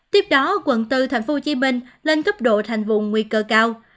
tiếp đó quận bốn tp hcm lên cấp độ thành vùng nguy cơ cao